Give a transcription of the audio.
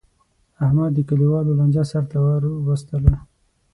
احمد د کلیوالو لانجه سرته ور وستله.